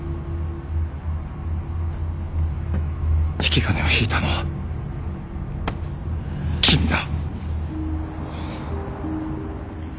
引き金を引いたのは君だ。